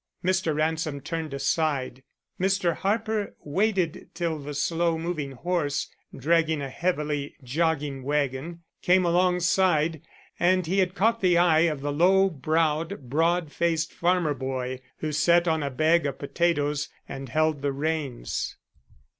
Mr. Ransom turned aside. Mr. Harper waited till the slow moving horse, dragging a heavily jogging wagon, came alongside, and he had caught the eye of the low browed, broad faced farmer boy who sat on a bag of potatoes and held the reins.